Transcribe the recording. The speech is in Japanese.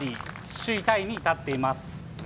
首位タイに立っています。